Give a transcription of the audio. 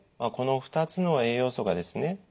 この２つの栄養素がですね